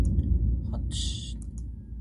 Siza lo mfana akwazi ukundizisa ikhayithi yakhe.